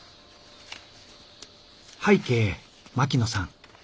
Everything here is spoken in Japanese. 「拝啓槙野さん。